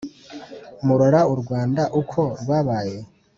murora u rwanda uko rwabaye